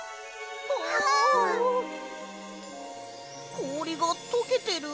こおりがとけてる！